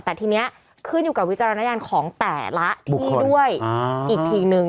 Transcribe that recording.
แต่ทีนี้ขึ้นอยู่กับวิจารณญาณของแต่ละที่ด้วยอีกทีนึง